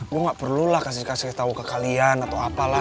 gue gak perlulah kasih kasih tahu ke kalian atau apalah